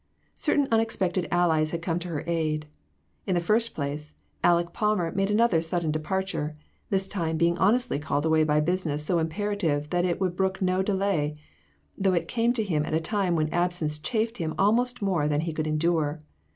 Certain unex pected allies had come to her aid. In the first place, Aleck Palmer made another sudden depart ure ; this time being honestly called away by business so imperative that it would brook no delay, though it came to him at a time when absence chafed him almost more than he could endure.